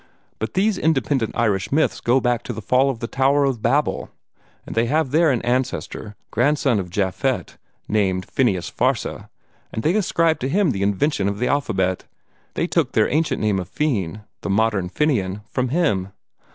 But these independent Irish myths go back to the fall of the Tower of Babel, and they have there an ancestor, grandson of Japhet, named Fenius Farsa, and they ascribe to him the invention of the alphabet. They took their ancient name of Feine, the modern Fenian, from him.